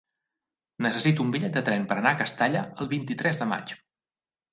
Necessito un bitllet de tren per anar a Castalla el vint-i-tres de maig.